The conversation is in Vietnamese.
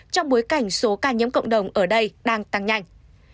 trong bối cảnh số ca nhiễm cộng đồng ở đây đang tăng nhanh